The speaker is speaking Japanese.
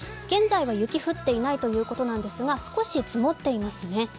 現在は雪が降っていないということなんですが、少し積もっていますね。